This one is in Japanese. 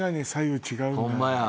ホンマや。